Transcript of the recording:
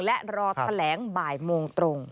และรอแถลงบ่ายโมงตรง